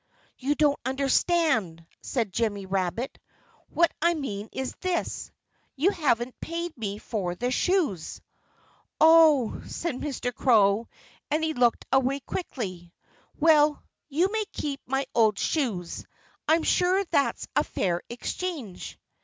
"You don't understand," said Jimmy Rabbit. "What I mean is this: You haven't paid me for the shoes." "Oh!" said Mr. Crow. And he looked away quickly. "Well, you may keep my old shoes. I'm sure that's a fair exchange."